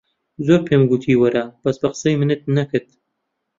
زۆرم پێ گۆتی وەرە، بەس بە قسەی منت نەکرد.